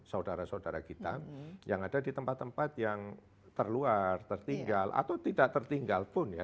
saudara saudara kita yang ada di tempat tempat yang terluar tertinggal atau tidak tertinggal pun ya